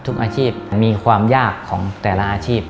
อาชีพมีความยากของแต่ละอาชีพ